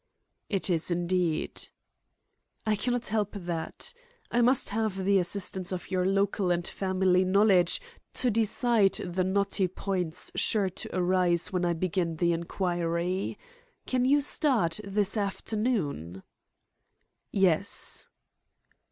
"It is indeed." "I cannot help that. I must have the assistance of your local and family knowledge to decide the knotty points sure to arise when I begin the inquiry. Can you start this afternoon?" "Yes."